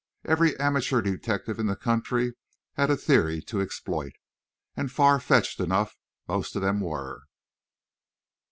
Every amateur detective in the country had a theory to exploit and far fetched enough most of them were!